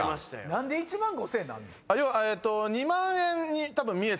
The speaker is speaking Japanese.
何で「１万５，０００円」になんねん。